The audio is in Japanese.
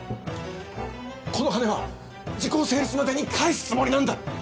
この金は時効成立までに返すつもりなんだ！